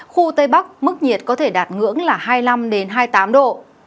khu tây bắc mức nhiệt có thể đạt ngưỡng là hai mươi năm hai mươi tám độ